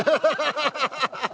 ハハハハ！